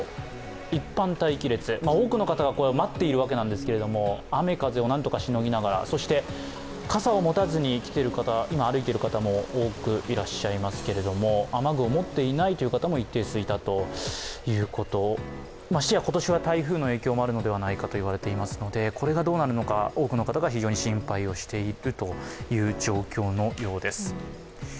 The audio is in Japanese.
一般待機列、多くの方が待っているわけなんですけれども、雨風を何とかしのぎながら傘を持たずに来ている方、今、歩いてる方も多くいらっしゃいますけれども雨具を持っていないという方も一定数いたということ、ましてや今年は台風の影響もあるのではないかといわれていますので、これがどうなるのか多くの方が心配しているという状況のようです。